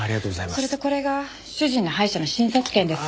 それとこれが主人の歯医者の診察券です。